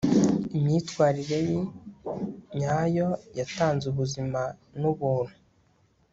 Imyitwarire ye nyayo yatanze ubuzima nubuntu